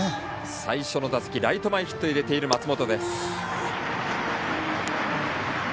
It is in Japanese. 最初の打席ライト前ヒットで出ている松本。